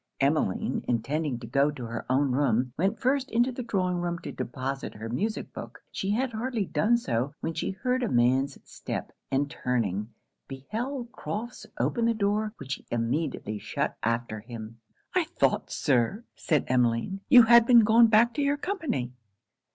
Emmeline intending to go to her own room, went first into the drawing room to deposit her music book. She had hardly done so, when she heard a man's step, and turning, beheld Crofts open the door, which he immediately shut after him. 'I thought, Sir,' said Emmeline, 'you had been gone back to your company.'